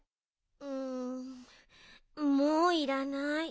うんもういらない。